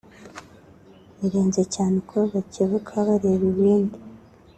birenze cyane uko bakebuka bareba ibindi